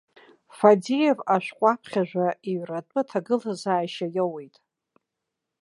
Фадеев ашәҟәы аԥхьажәа иҩратәы аҭагылазаашьа иоуит.